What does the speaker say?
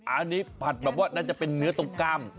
อันนี้ผัดแบบว่าน่าจะเป็นเนื้อตรงกล้าม